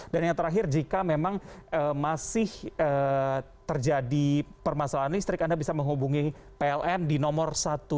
dan yang terakhir jika memang masih terjadi permasalahan listrik anda bisa menghubungi pln di nomor satu ratus dua puluh tiga